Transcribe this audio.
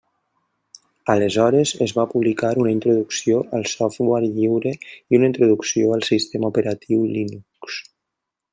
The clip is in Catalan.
Aleshores es va publicar una introducció al software lliure i una introducció al sistema operatiu Linux.